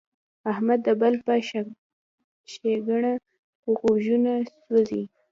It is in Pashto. احمد د بل په شکنه غوږونه سوزي.